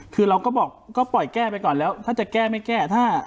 คือเราก็บอกก็ปล่อยแก้ไปก่อนแล้วถ้าจะแก้ไม่แก้